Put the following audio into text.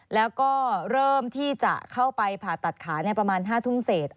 แล้วก็เริ่มที่จะเข้าไปผ่าตัดขาประมาณ๕ทุ่มเศษ